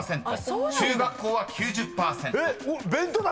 中学校は９０％］えっ！